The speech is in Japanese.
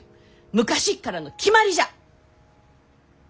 昔っからの決まりじゃ！